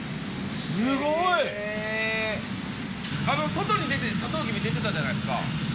すごい！外にサトウキビ出てたじゃないですか。